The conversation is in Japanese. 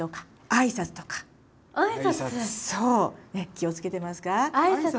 気を付けてますか？